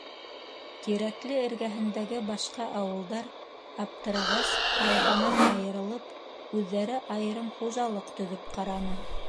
Тирәкле эргәһендәге башҡа ауылдар, аптырағас, «Алға»нан айырылып, үҙҙәре айырым хужалыҡ төҙөп ҡараны.